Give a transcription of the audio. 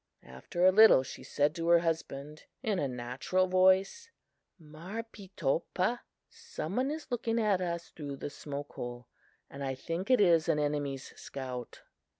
"After a little she said to her husband in a natural voice: 'Marpeetopah, some one is looking at us through the smoke hole, and I think it is an enemy's scout.